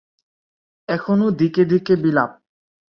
এখনো দিকে দিকে বিলাপ।